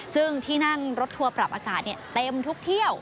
ซึ่งที่นั่งรถทัวร์ปรับอากาศเต็มทุกเที่ยว